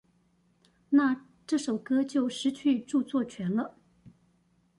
那這首歌就失去著作權了